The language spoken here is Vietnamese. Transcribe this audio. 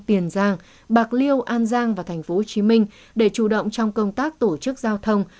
tiền giang bạc liêu an giang và tp hcm để chủ động trong công tác tổ chức giao thông